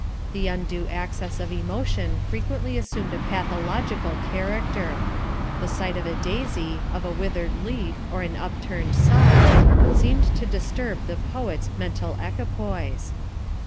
The undue access of emotion frequently assumed a pathological character. The sight of a daisy, of a withered leaf or an upturned sod, seemed to disturb the poet's mental equipoise.